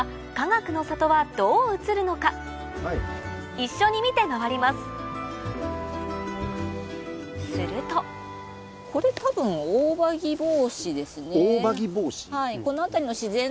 一緒に見て回りますするとこれ多分。オオバギボウシ。